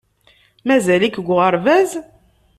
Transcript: Mazal-ik deg uɣerbaz?